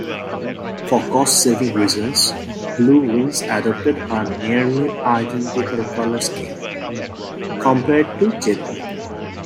For cost-saving reasons, Blue Wings adopted a nearly identical color scheme compared to JetBlue.